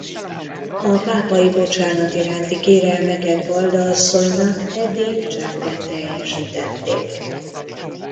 A pápai bocsánat iránti kérelmeket Balda asszonynak eddig csendben teljesítették.